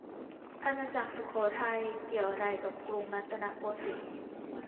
อาณาจักรสุโขทัย เกี่ยวอะไรกับกรุงรัตนโกสินทร์